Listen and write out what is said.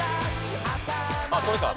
あっこれか。